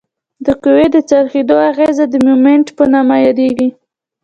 د قوې د څرخیدو اغیزه د مومنټ په نامه یادیږي.